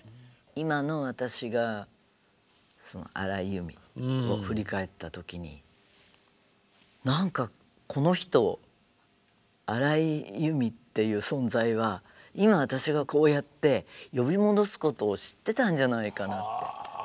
今の私が荒井由実を振り返った時に何かこの人荒井由実っていう存在は今私がこうやって呼び戻すことを知ってたんじゃないかなって。